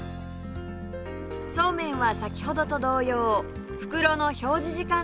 そうめんは先ほどと同様袋の表示時間どおりにゆで